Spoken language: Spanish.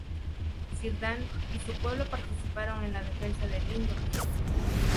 Círdan y su pueblo participaron en la defensa de Lindon.